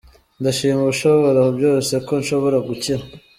Ndashima ushobora byose ko nshobora gukira.